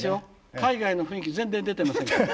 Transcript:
海外の雰囲気全然出てませんから。